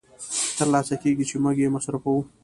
تر لاسه کېږي چې موږ یې مصرفوو